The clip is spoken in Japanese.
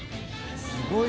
すごい。